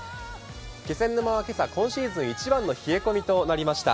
気仙沼は今朝、今シーズン１番の冷え込みとなりました。